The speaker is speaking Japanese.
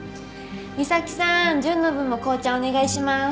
岬希さん純の分も紅茶お願いします。